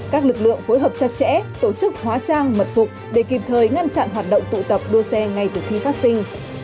các lực lượng phối hợp chặt chẽ tổ chức hóa trang mật phục để kịp thời ngăn chặn hoạt động tụ tập đua xe ngay từ khi phát sinh